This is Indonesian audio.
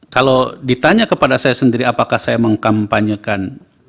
kalau ditanya kepada saya sendiri apakah saya mengkampanyekan